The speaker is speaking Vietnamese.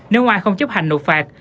nếu ai không chấp hành nộp phạt